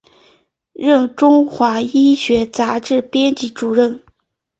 任中华医学杂志编辑主任。